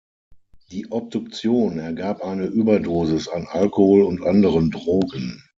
Die Obduktion ergab eine Überdosis an Alkohol und anderen Drogen.